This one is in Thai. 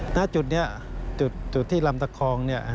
หน้าจุดนี้จุดที่รัมตะคอง